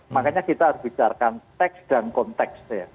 makanya kita harus bicarakan teks dan konteks ya